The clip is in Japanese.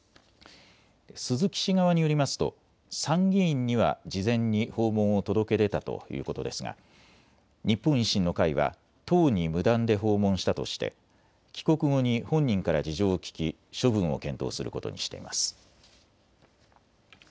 鈴木氏側によりますと参議院には事前に訪問を届け出たということですが日本維新の会は党に無断で訪問したとして帰国後に本人から事情を聞き処分を検討することにしています。